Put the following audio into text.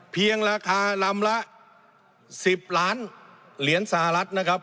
เพียงราคาลำละ๑๐ล้านเหรียญสหรัฐนะครับ